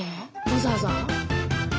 わざわざ？